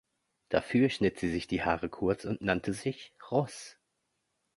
Dafür schnitt sie sich die Haare kurz und nannte sich "Ross".